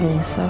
aku jadi nyesel